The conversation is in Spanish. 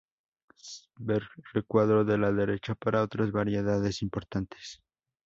Ver recuadro de la derecha para otras variedades importantes.